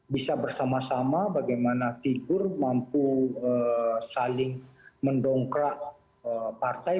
bisa bersama sama bagaimana figur mampu saling mendongkrak partai